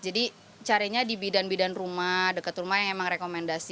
jadi carinya di bidan bidan rumah dekat rumah yang emang rekomendasi